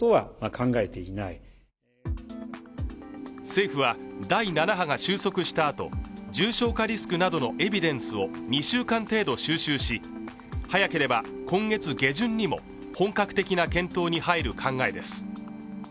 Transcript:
政府は第７波が収束したあと重症化リスクなどのエビデンスを２週間程度収集し早ければ今月下旬にも本格的な検討に入る考えです。